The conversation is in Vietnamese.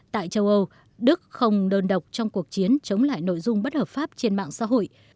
tại châu âu đức không đơn độc trong cuộc chiến chống lại nội dung bất hợp pháp trên mạng xã hội